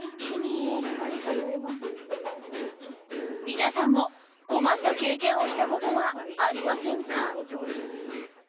皆さんも困った経験をしたことはありませんか？